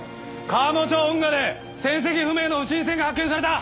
川最町運河で船籍不明の不審船が発見された。